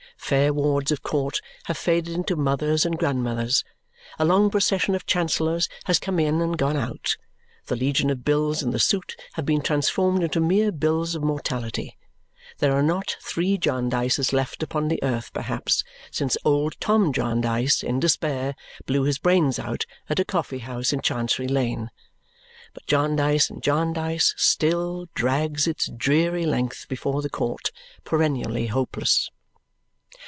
Fair wards of court have faded into mothers and grandmothers; a long procession of Chancellors has come in and gone out; the legion of bills in the suit have been transformed into mere bills of mortality; there are not three Jarndyces left upon the earth perhaps since old Tom Jarndyce in despair blew his brains out at a coffee house in Chancery Lane; but Jarndyce and Jarndyce still drags its dreary length before the court, perennially hopeless.